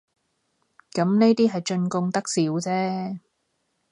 咁呢啲係進貢得少姐